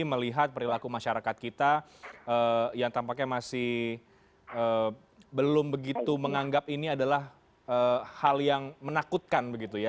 melihat perilaku masyarakat kita yang tampaknya masih belum begitu menganggap ini adalah hal yang menakutkan begitu ya